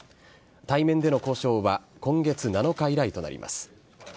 対面での交渉は今月７日以来となります。